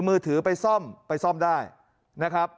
มือถือไปซ่อมไปซ่อมได้นะครับ